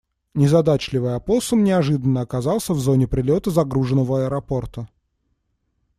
Незадачливый опоссум неожиданно оказался в зоне прилета загруженного аэропорта.